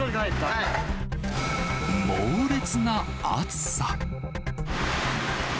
猛烈な暑さ。